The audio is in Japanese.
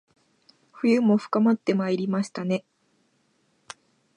冬も深まってまいりましたね